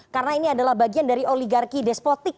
karena ini adalah bagian dari oligarki despotik